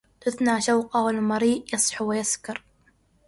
ثنى شوقه والمرء يصحو ويسكر